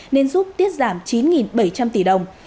nên giúp tiết giảm chín bảy trăm linh tỷ đồng